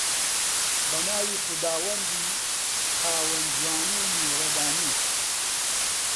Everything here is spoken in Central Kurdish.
بە ناوی خوداوەندی خاوەن جوانی و میهرەبانی.